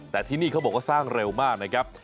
แต่ที่นี่เขาบอกว่าสร้างเร็วมากนะครับ